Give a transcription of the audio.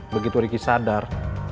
begitu ricky sadar